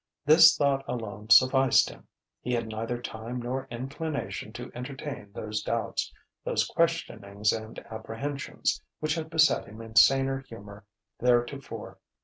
This thought alone sufficed him. He had neither time nor inclination to entertain those doubts, those questionings and apprehensions which had beset him in saner humour theretofore.